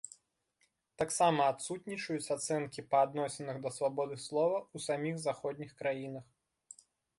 Таксама адсутнічаюць ацэнкі па адносінах да свабоды слова ў саміх заходніх краінах.